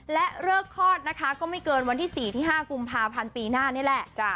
และเลิกคลอดนะคะก็ไม่เกินวันที่๔ที่๕กุมภาพันธ์ปีหน้านี่แหละ